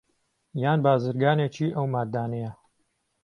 یان بازرگانێکی ئەو ماددانەیە